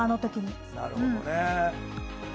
なるほどね。